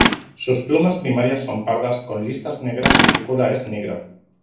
Sus plumas primarias son pardas con listas negras y su cola es negra.